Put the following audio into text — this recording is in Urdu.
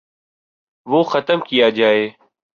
وہ ختم کیا جائے۔